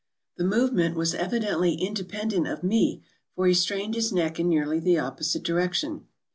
The movement was evidently independent of me, for he strained his neck in nearly the opposite direction.